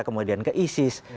kemudian ke isis